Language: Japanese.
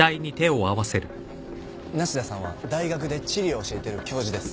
梨多さんは大学で地理を教えてる教授です。